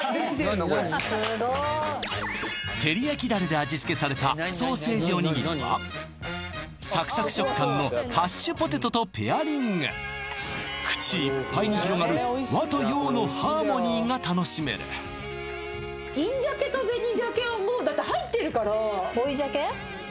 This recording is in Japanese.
すごっ照り焼きダレで味付けされたソーセージおにぎりはサクサク食感のハッシュポテトとペアリング口いっぱいに広がるが楽しめる銀鮭と紅しゃけはもうだって入ってるから追い鮭？